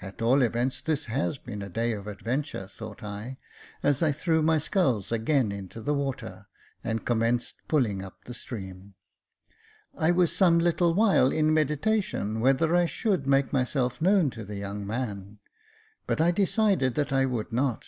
At all events, this has been a day of adventure, thought I, as I threw my sculls again into the water, and commenced pulling up the stream. I was some little while in medita tion whether I should make myself known to the young man ; but I decided that I would not.